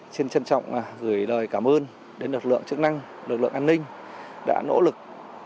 xin trân trọng gửi lời cảm ơn đến lực lượng chức năng lực lượng an ninh đã nỗ lực